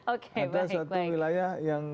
oke baik baik ada satu wilayah yang